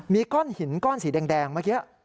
มีก้อนหินก้อนสีแดงเมื่อกี้